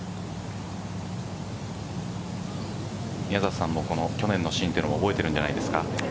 宮里さんも去年のシーンを覚えているんじゃないですか。